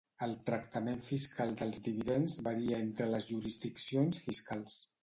El tractament fiscal dels dividends varia entre les jurisdiccions fiscals.